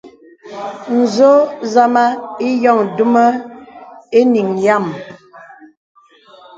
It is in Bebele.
Zō zàmā ìyōŋ duma īŋìŋ yàm.